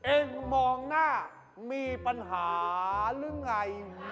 เองมองหน้ามีปัญหาหรือไง